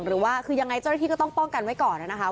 หรือว่าคือยังไงเจ้าหน้าที่ก็ต้องป้องกันไว้ก่อนนะคะ